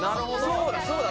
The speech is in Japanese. そうだそうだ！